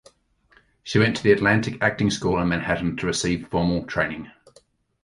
She went to the Atlantic Acting School in Manhattan to receive formal training.